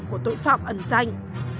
của tội phạm ẩn danh